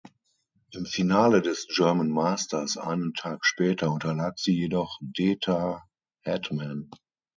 Im Finale des German Masters einen Tag später unterlag sie jedoch Deta Hedman.